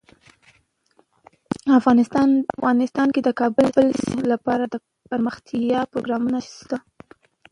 افغانستان کې د د کابل سیند لپاره دپرمختیا پروګرامونه شته.